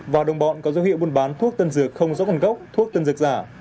và đồng bọn có dấu hiệu buôn bán thuốc tân dược không dấu còn gốc thuốc tân dược giả